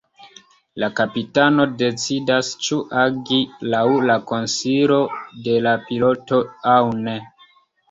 La kapitano decidas ĉu agi laŭ la konsilo de la piloto aŭ ne.